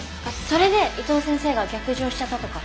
それで伊藤先生が逆上しちゃったとか。